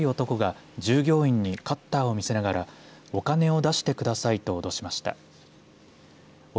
店で若い男が従業員にカッターを見せながらお金を出してくださいと脅しました。